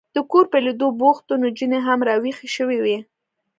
د کور په لیدو بوخت و، نجونې هم را وېښې شوې وې.